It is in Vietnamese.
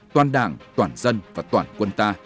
toàn đảng toàn dân và toàn quân ta